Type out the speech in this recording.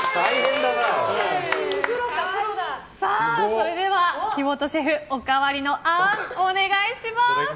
それでは木本シェフおかわりのあーん、お願いします。